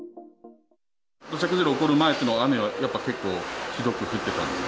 土砂崩れ起こる前っていうのは、雨はやっぱ結構、ひどく降ってたんですか。